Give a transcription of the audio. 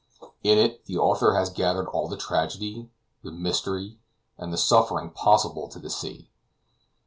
In it the author has gathered all the tragedy, the mystery, and the suffering possible to the sea.